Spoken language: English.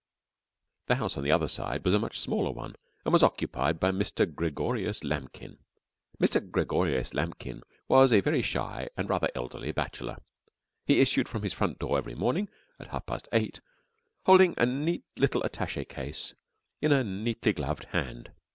The house on the other side was a much smaller one, and was occupied by Mr. Gregorius Lambkin. Mr. Gregorius Lambkin was a very shy and rather elderly bachelor. He issued from his front door every morning at half past eight holding a neat little attaché case in a neatly gloved hand.